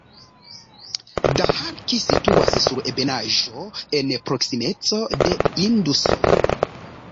Daharki situas sur ebenaĵo en proksimeco de Induso.